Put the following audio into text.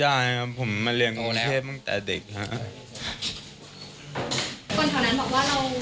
เธอรู้จักกับใครที่มีอิทธิพลอย่างนี้นะครับ